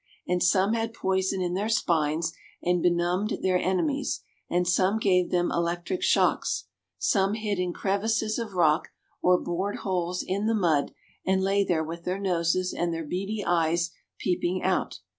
And some had poison in their spines and benumbed their enemies, and some gave them electric shocks. Some hid in crevices of rock, or bored holes in the mud, and lay there with their noses and their beady eyes peeping out.